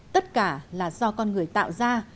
tất cả là do con người tạo ra